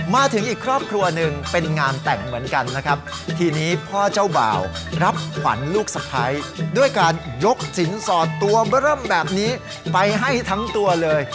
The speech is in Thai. มาถึงอีกครอบครัวหนึ่งเป็นงานแต่งเหมือนกันนะครับทีนี้พ่อเจ้าบ่าวรับขวัญลูกสะพ้ายด้วยการยกสินสอดตัวเบอร์เริ่มแบบนี้ไปให้ทั้งตัวเลย